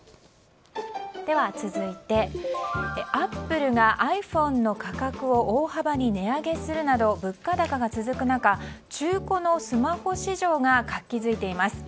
では、続いてアップルがｉＰｈｏｎｅの価格を大幅に値上げするなど物価高が続く中中古のスマホ市場が活気づいています。